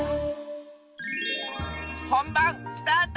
ほんばんスタート！